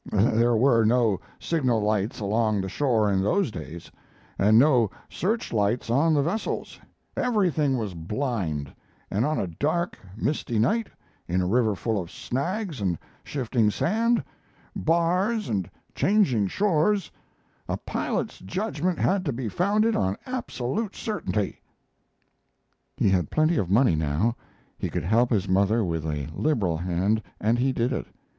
There were no signal lights along the shore in those days, and no search lights on the vessels; everything was blind, and on a dark, misty night in a river full of snags and shifting sand bars and changing shores, a pilot's judgment had to be founded on absolute certainty." He had plenty of money now. He could help his mother with a liberal hand, and he did it.